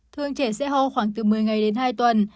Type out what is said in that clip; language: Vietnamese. thường trẻ sẽ ho khoảng từ một mươi ngày đến hai tuần